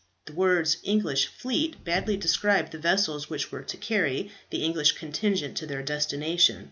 The words English fleet badly describe the vessels which were to carry the English contingent to their destination.